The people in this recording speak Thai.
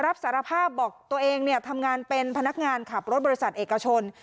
รับสารภาพบอกตัวเองทำงานเป็นพนักงานขับรถบริษัทเอกชน